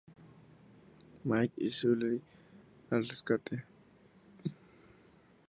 Mike y Sulley al rescate!